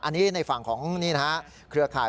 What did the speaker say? อันนี้ในฝั่งของเครือข่าย